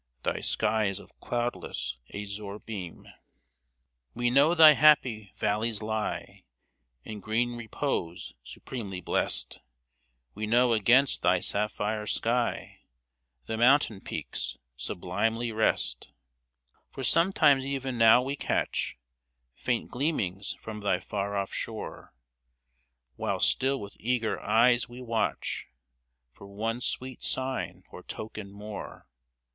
Thy skies of cloudless azure beam. 26 HEREAFTER We know thy happy valleys lie In green repose, supremely blest ; We know against thy sapphire sky Thy mountain peaks sublimely rest. For sometimes even now we catch Faint gleamings from thy far off shore, While still with eager eyes we watch For one sweet sign or token more.